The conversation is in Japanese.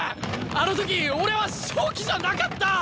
あのとき俺は正気じゃなかった！